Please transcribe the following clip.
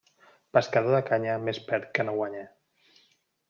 Pescador de canya, més perd que no guanya.